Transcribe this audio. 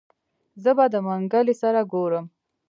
زه به د منګلي سره ګورم.